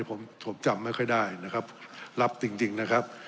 ผมผมจำไม่ค่อยได้นะครับรับจริงจริงนะครับ